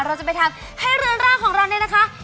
เราจะไปทำให้เรือนร่างของเราเนี่ยนะคะ